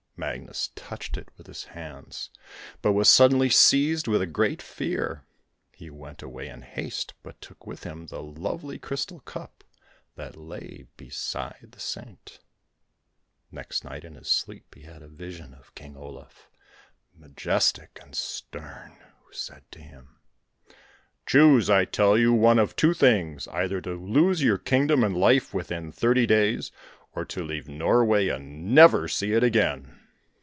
Magnus touched it with his hands, but was suddenly seized with a great fear. He went away in haste, but took with him the lovely crystal cup that lay beside the Saint. The next night in his sleep he had a vision of King Olaf, majestic and stern, who said to him: 'Choose, I tell you, one of two things, either to lose your kingdom and life within thirty days, or to leave Norway and never see it again.'